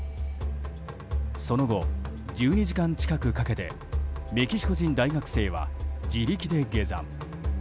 その後、１２時間近くかけてメキシコ人大学生は自力で下山。